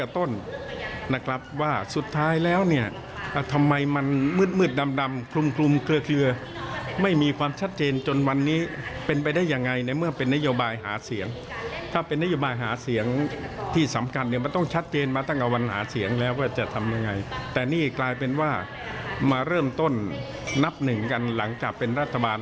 ต้องเอาวัญหาเสียงแล้วว่าจะทำยังไงแต่นี่กลายเป็นว่ามาเริ่มต้นนับหนึ่งกันหลังจากเป็นรัฐบาล